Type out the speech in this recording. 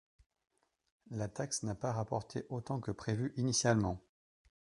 La taxe n'a pas rapporté autant que prévu initialement.